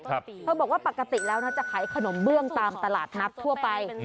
เธอบอกว่าปกติแล้วนะจะขายขนมเบื้องตามตลาดนัดทั่วไป